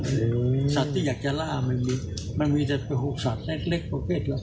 มันไม่มีใครที่อยากจะล่ามันมีแต่๖สัตว์เล็กประเภท